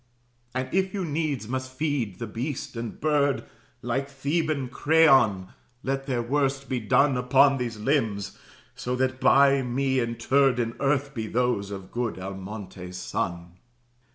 "And if you needs must feed the beast and bird, Like Theban Creon, let their worst be done Upon these limbs; so that by me interred In earth be those of good Almontes's son."